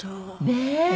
ねえ！